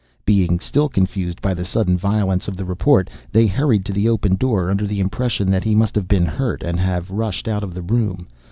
Being still confused by the sudden violence of the report, they hurried to the open door, under the impression that he must have been hurt, and have rushed out of the room.